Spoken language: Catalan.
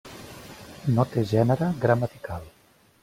No té gènere gramatical.